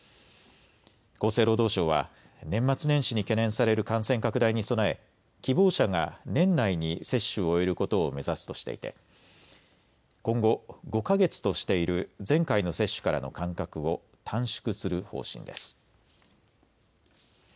厚生労働省は年末年始に懸念される感染拡大に備え希望者が年内に接種を終えることを目指すとしていて今後、５か月としている前回の接種からの間隔を短縮する方針です。